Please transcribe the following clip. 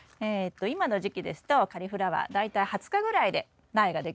今の時期ですとカリフラワー大体２０日ぐらいで苗ができ上がります。